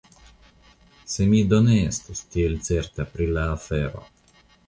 Se mi do ne estus tiel certa pri la afero !